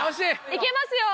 行けますよ。